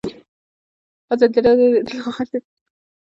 ازادي راډیو د اطلاعاتی تکنالوژي د ارتقا لپاره نظرونه راټول کړي.